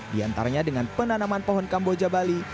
di antaranya dengan penanaman pohon kamboja bali